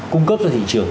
cung cấp cho thị trường